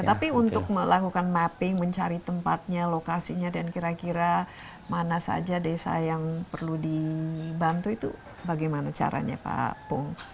tapi untuk melakukan mapping mencari tempatnya lokasinya dan kira kira mana saja desa yang perlu dibantu itu bagaimana caranya pak pung